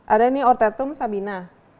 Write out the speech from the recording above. ada ini ortetum sabina